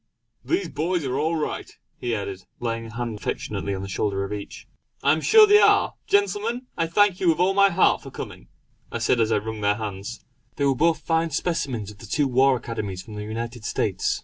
"These boys are all right!" he added, laying a hand affectionately on the shoulder of each. "I am sure they are! Gentlemen, I thank you with all my heart for coming!" I said as I wrung their hands. They were both fine specimens of the two war Academies of the United States.